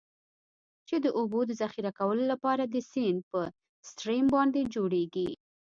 چې د اوبو د ذخیره کولو لپاره د سیند یا Stream باندی جوړیږي.